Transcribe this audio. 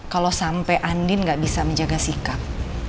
kalau sampai andin gak bisa menjaga sikap